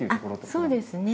そうですね。